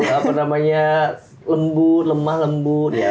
apa namanya lembu lemah lembut